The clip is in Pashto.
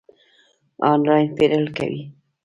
آنلاین پیرل کوئ؟